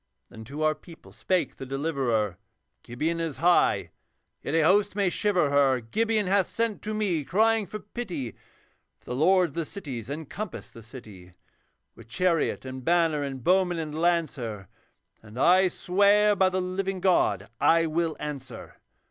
Then to our people spake the Deliverer, 'Gibeon is high, yet a host may shiver her; Gibeon hath sent to me crying for pity, For the lords of the cities encompass the city With chariot and banner and bowman and lancer, And I swear by the living God I will answer.